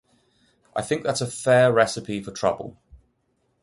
I think that's a fair recipe for trouble.